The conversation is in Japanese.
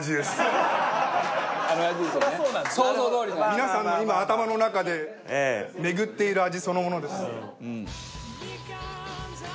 皆さんの今頭の中で巡っている味そのものです。